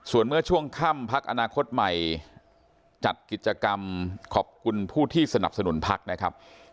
ส่วนเมื่อช่วงค่ำพักอนาคตใหม่จัดกิจกรรมขอบคุณผู้ที่สนับสนุนพักนะครับ